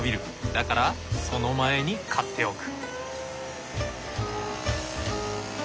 だからその前に刈っておく。